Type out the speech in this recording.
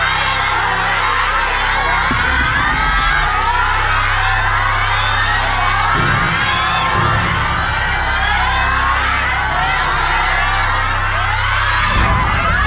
ถูกถูกถูก